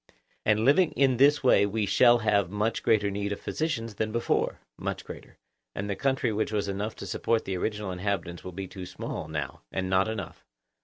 And living in this way we shall have much greater need of physicians than before? Much greater. And the country which was enough to support the original inhabitants will be too small now, and not enough?